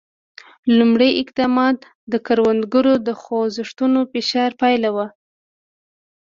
لومړي اقدامات د کروندګرو خوځښتونو فشار پایله وه.